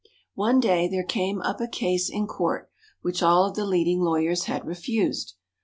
One day there came up a case in court which all of the leading lawyers had refused.